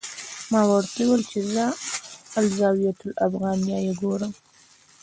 ما ورته وویل چې زه الزاویة الافغانیه ګورم.